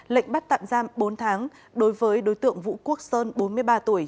lệnh bắt tạm giam bốn tháng đối với đối tượng vũ quốc sơn bốn mươi ba tuổi